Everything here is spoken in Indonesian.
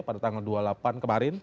pada tanggal dua puluh delapan kemarin